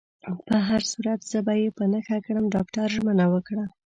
په هر صورت، زه به يې په نښه کړم. ډاکټر ژمنه وکړه.